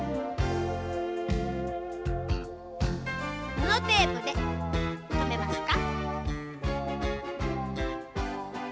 ぬのテープでとめますか。